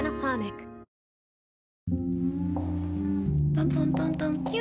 トントントントンキュ。